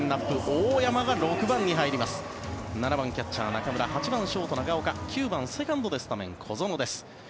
大山が６番７番、キャッチャー中村８番、長岡９番、セカンドでスタメン小園です。